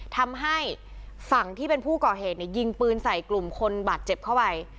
ทำให้ฝั่งที่เป็นผู้ก่อเหตุเนี่ยยิงปืนใส่กลุ่มคนบาดเจ็บเข้าไป